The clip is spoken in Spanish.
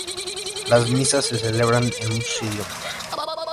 Las Misas se celebran en muchos idiomas.